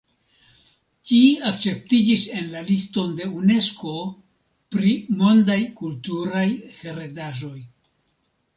Ĝi akceptiĝis en la liston de Unesko pri mondaj kulturaj heredaĵoj.